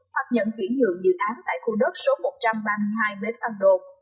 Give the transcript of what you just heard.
hoặc nhận chuyển dưỡng dự án tại khu đất số một trăm ba mươi hai bê phan đồn